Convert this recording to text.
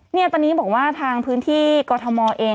เนี่ยตอนนี้บอกว่าทางพื้นที่กรทมเอง